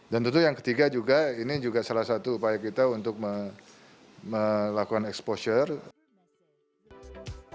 dan tentu yang ketiga juga ini juga salah satu upaya kita untuk melakukan exposure